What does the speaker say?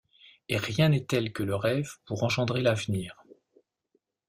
Et rien n’est tel que le rêve pour engendrer l’avenir.